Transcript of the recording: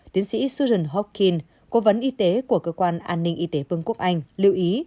tiến sĩ suden hockin cố vấn y tế của cơ quan an ninh y tế vương quốc anh lưu ý